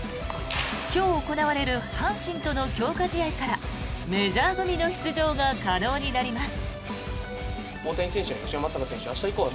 今日行われる阪神との強化試合からメジャー組の出場が可能になります。